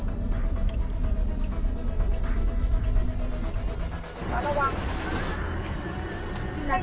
ตอนนี้จะเปลี่ยนอย่างนี้หรอว้าง